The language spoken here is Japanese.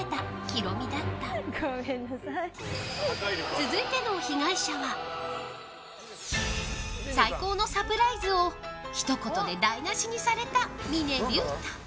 続いての被害者は最高のサプライズをひと言で台無しにされた峰竜太。